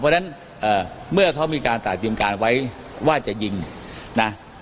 เพราะฉะนั้นเมื่อเขามีการตัดเตรียมการไว้ว่าจะยิงนะ